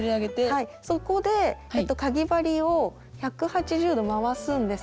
そこでかぎ針を１８０度回すんです。